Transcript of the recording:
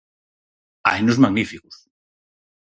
Hainos magníficos.